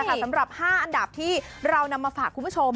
สำหรับ๕อันดับที่เรานำมาฝากคุณผู้ชม